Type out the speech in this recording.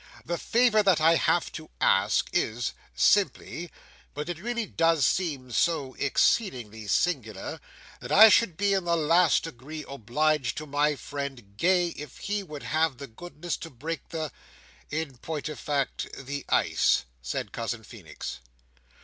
The favour that I have to ask is, simply—but it really does seem so exceedingly singular, that I should be in the last degree obliged to my friend Gay if he would have the goodness to break the—in point of fact, the ice," said Cousin Feenix.